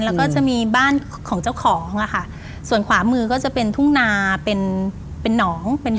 และจะมีบ้านของเจ้าของ